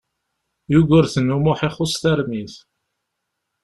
Yugurten U Muḥ ixuṣ tarmit.